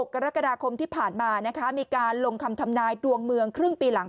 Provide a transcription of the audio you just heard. กรกฎาคมที่ผ่านมานะคะมีการลงคำทำนายดวงเมืองครึ่งปีหลัง